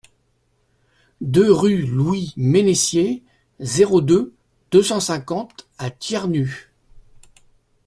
deux rue Louis Mennessier, zéro deux, deux cent cinquante à Thiernu